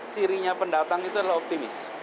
cirinya pendatang itu adalah optimis